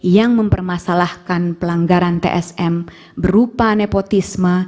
yang mempermasalahkan pelanggaran tsm berupa nepotisme